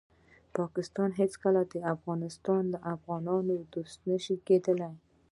پاکستان هیڅکله هم د افغانستان او افغانانو دوست نشي کیدالی.